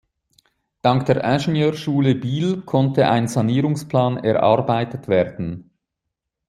Dank der Ingenieurschule Biel konnte ein Sanierungsplan erarbeitet werden.